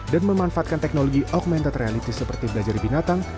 dan memanfaatkan teknologi augmented reality seperti belajar binatang